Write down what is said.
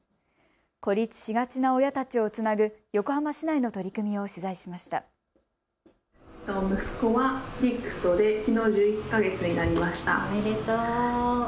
孤立しがちな親たちをつなぐ横浜市内の取り組みを取材しました。